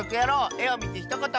「えをみてひとこと」